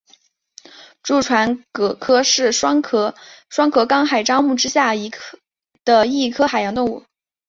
蛀船蛤科是双壳纲海螂目之下的一科海洋动物。